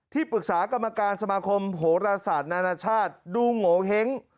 ปรึกษากรรมการสมาคมโหรศาสตร์นานาชาติดูโงเห้ง